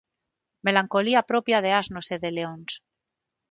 Melancolía propia de asnos e de leóns.